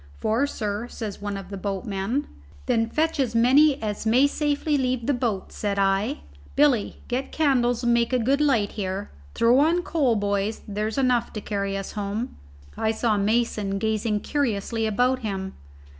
"Four, sir," says one of the boatmen. "Then fetch as many as may safely leave the boat," said I. "Billy, get candles and make a good light here. Throw on coal, boys; there's enough to carry us home." I saw Mason gazing curiously about him.